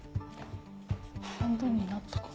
半分になったかな？